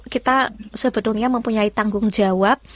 kita sebetulnya mempunyai tanggung jawab